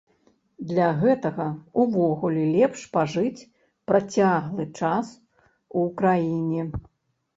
Для гэтага ўвогуле лепш пажыць працяглы час у краіне.